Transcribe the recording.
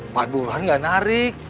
pak burhan nggak tarik